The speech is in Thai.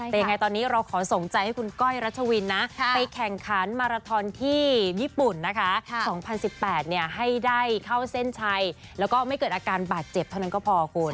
แต่ยังไงตอนนี้เราขอส่งใจให้คุณก้อยรัชวินนะไปแข่งขันมาราทอนที่ญี่ปุ่นนะคะ๒๐๑๘ให้ได้เข้าเส้นชัยแล้วก็ไม่เกิดอาการบาดเจ็บเท่านั้นก็พอคุณ